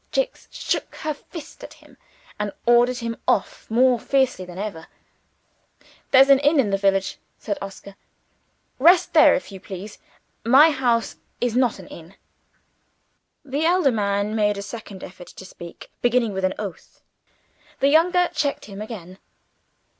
Jicks shook her fist at him, and ordered him off more fiercely than ever. "There's an inn in the village," said Oscar. "Rest there, if you please my house is not an inn." The elder man made a second effort to speak, beginning with an oath. The younger checked him again.